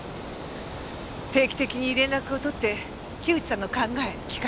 定期的に連絡を取って木内さんの考え聞かせてください。